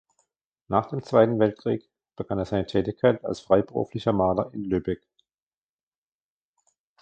Nach dem Zweiten Weltkrieg begann er seine Tätigkeit als freiberuflicher Maler in Lübeck.